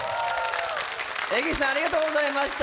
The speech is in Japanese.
江口さんありがとうございました。